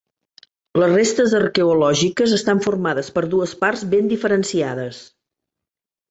Les restes arqueològiques estan formades per dues parts ben diferenciades.